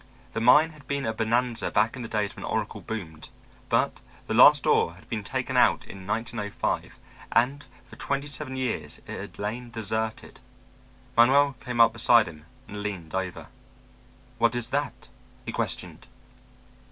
The mine had been a bonanza back in the days when Oracle boomed, but the last ore had been taken out in 1905, and for twenty seven years it had lain deserted. Manuel came up beside him and leaned over. "What is that?" he questioned.